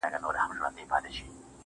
اې ښكلي پاچا سومه چي ستا سومه.